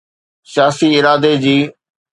سياسي ارادي جي.